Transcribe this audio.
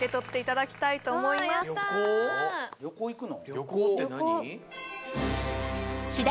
旅行って何？